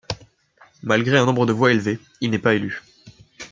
Malgré un nombre de voix élevé, il n'est pas élu.